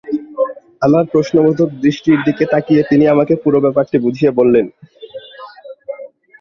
আমার প্রশ্নবোধক দৃষ্টির দিকে তাকিয়ে তিনি আমাকে পুরো ব্যাপারটি বুঝিয়ে বললেন।